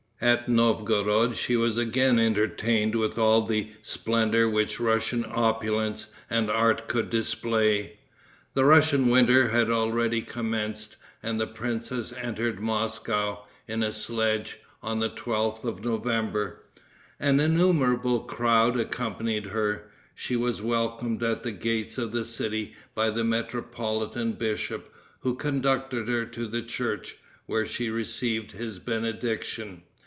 At Novgorod she was again entertained with all the splendor which Russian opulence and art could display. The Russian winter had already commenced, and the princess entered Moscow, in a sledge, on the 12th of November. An innumerable crowd accompanied her. She was welcomed at the gates of the city by the metropolitan bishop, who conducted her to the church, where she received his benediction.